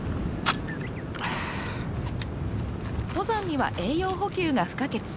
登山には栄養補給が不可欠。